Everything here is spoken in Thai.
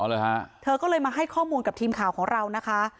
เลยฮะเธอก็เลยมาให้ข้อมูลกับทีมข่าวของเรานะคะ